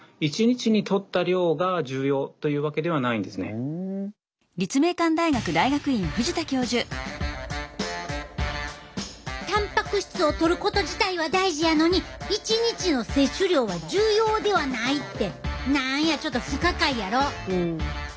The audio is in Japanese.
実はたんぱく質をとること自体は大事やのに一日の摂取量は重要ではないって何やちょっと不可解やろ？